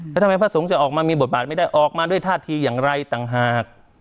แล้วทำไมพระสงฆ์จะออกมามีบทบาทไม่ได้ออกมาด้วยท่าทีอย่างไรต่างหาก